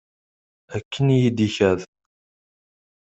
Akken i yi-d-ikad.